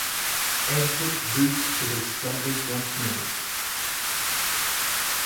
Exit boots to his slumbers once more.